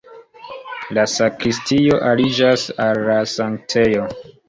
La sakristio aliĝas al la sanktejo.